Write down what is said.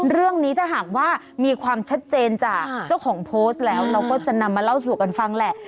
เรื่องนี้ถ้าหากว่ามีความชัดเจนจากเจ้าของโพสต์แล้วเราก็จะนำมาเล่าสู่กันฟังแหละ